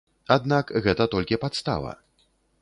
Аднак гэта толькі падстава.